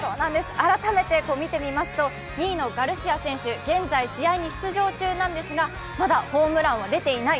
改めて見てみますと、２位のガルシア選手、現在試合に出場中ですがまだホームランは出ていない。